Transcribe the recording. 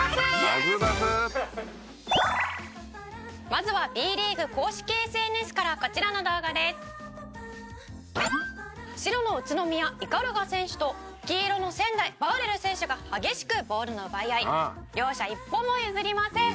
「まずはＢリーグ公式ＳＮＳからこちらの動画です」「白の宇都宮鵤選手と黄色の仙台バーレル選手が激しくボールの奪い合い」「両者一歩も譲りません」